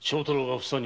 ふさに？